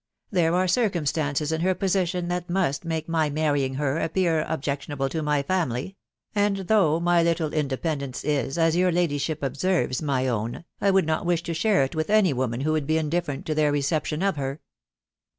There in her position thai must make my marrying her asssBjards jectionuble to tny family ; and though my little ndflpendeuee is, as your ladyship ebserros, my •» I would mat wish to share h with any woman who would be indifferent 4» tuheir aa oeption of hper.